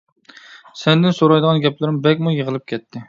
سەندىن سورايدىغان گەپلىرىم بەكمۇ يىغىلىپ كەتتى.